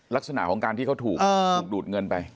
ลักษณะของการที่เขาถูกดูดเงินไป